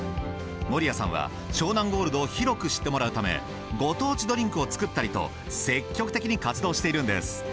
守屋さんは湘南ゴールドを広く知ってもらうためご当地ドリンクを作ったりと積極的に活動しているんです。